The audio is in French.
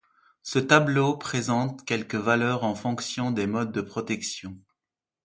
Ce tableau présente quelques valeurs en fonction des modes de protection.